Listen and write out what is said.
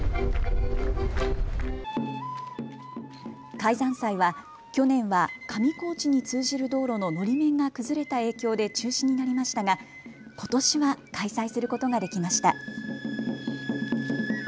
開山祭は去年は上高地に通じる道路ののり面が崩れた影響で中止になりましたが、ことしは開催することができました。